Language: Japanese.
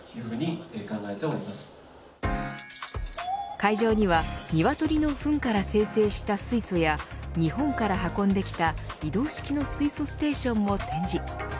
会場には鶏のふんから精製した水素や日本から運んできた移動式の水素ステーションも展示。